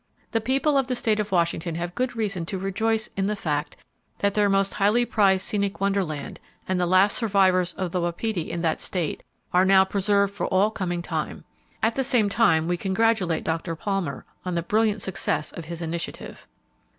The people of the state of Washington have good reason to rejoice in the fact that their most highly prized scenic wonderland, and the last survivors of the wapiti in that state, are now preserved for all coming time. At the same time, we congratulate Dr. Palmer on the brilliant success of his initiative.